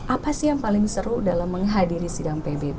apa sih yang paling seru dalam menghadiri sidang pbb